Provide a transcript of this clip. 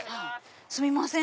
すみません